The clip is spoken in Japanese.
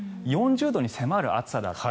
４０度に迫る暑さだった。